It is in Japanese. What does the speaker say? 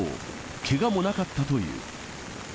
けがもなかったという。